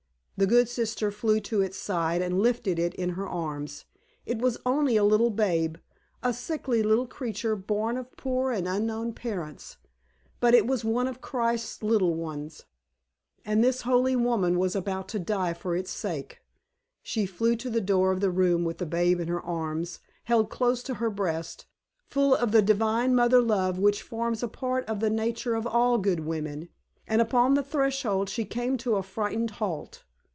The good sister flew to its side and lifted it in her arms. It was only a little babe a sickly little creature, born of poor and unknown parents but it was one of Christ's little ones, and this holy woman was about to die for its sake. She flew to the door of the room with the babe in her arms, held close to her breast, full of the divine mother love which forms a part of the nature of all good women, and upon the threshold she came to a frightened halt.